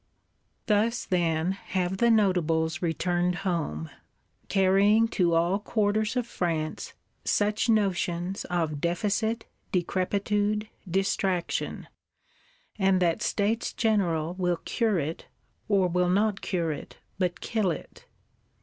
Thus, then, have the Notables returned home; carrying to all quarters of France, such notions of deficit, decrepitude, distraction; and that States General will cure it, or will not cure it but kill it.